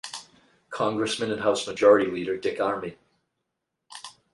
Congressman and House Majority Leader Dick Armey.